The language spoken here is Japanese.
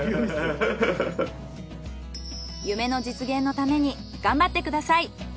夢の実現のために頑張ってください。